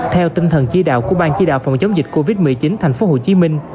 theo tinh thần chi đạo của bang chi đạo phòng chống dịch covid một mươi chín tp hcm